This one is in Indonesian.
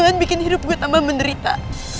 jangan bikin hidup gue tambah menderita